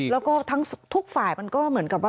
แล้วก็ทุกฝ่ายมันก็เหมือนกับ